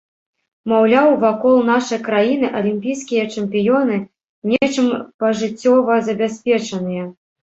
Маўляў, вакол нашай краіны алімпійскія чэмпіёны нечым пажыццёва забяспечаныя.